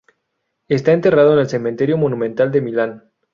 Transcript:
Está enterrado en el Cementerio Monumental de Milán.